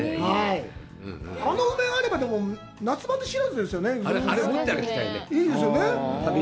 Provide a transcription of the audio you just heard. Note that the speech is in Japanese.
あの梅があれば、夏バテ知らずですよね？